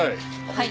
はい。